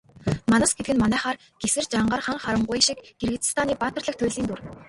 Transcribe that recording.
Манас гэдэг нь манайхаар Гэсэр, Жангар, Хан Харангуй шиг Киргизстаны баатарлаг туульсын дүр.